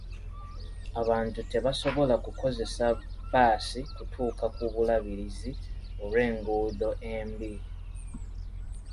Abantu tebasobola kukozesa bbaasi kutuuka ku bulabirizi olw'enguudo embi .